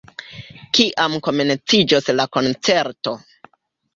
Kiam komenciĝos la koncerto?